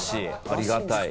ありがたい。